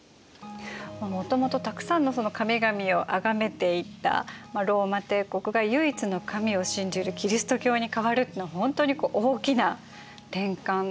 もともとたくさんの神々をあがめていたローマ帝国が唯一の神を信じるキリスト教に変わるのは本当に大きな転換だったんですね。